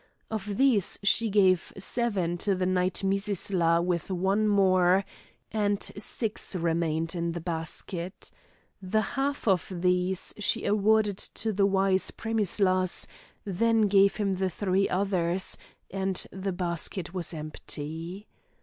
Of these she gave seven to the Knight Mizisla with one more, and six remained in the basket. The half of these she awarded to the wise Premislas, then gave him the three others, and the basket was empty.